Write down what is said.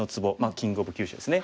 「キング・オブ・急所」ですね。